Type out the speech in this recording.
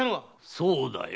そうだよ。